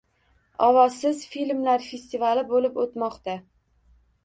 «Ovozsiz filmlar festivali» bo‘lib o‘tmoqda